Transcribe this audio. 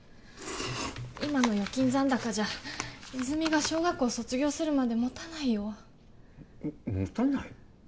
今の預金残高じゃ泉実が小学校卒業するまでもたないよもたない？